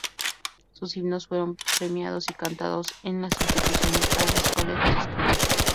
Sus himnos fueron premiados y cantados en las instituciones para las cuales los escribió.